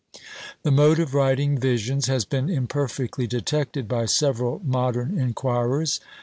The mode of writing visions has been imperfectly detected by several modern inquirers.